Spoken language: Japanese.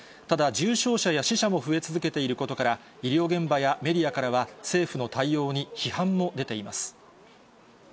ただ重症者や死者も増え続けていることなどから医療現場やメディアからは政府の対応に批判も出ています。